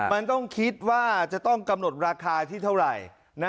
มันต้องคิดว่าจะต้องกำหนดราคาที่เท่าไหร่